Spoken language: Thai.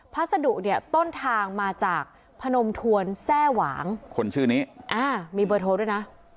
พัสดุเนี่ยต้นทางมาจากพนมทวนแทร่หวางคนชื่อนี้อ่ามีเบอร์โทรด้วยนะ